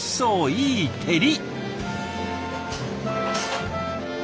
いい照り。